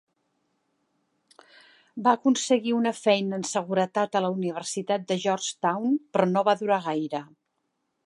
Va aconseguir una feina en seguretat a la Universitat de Georgetown, però no va durar gaire.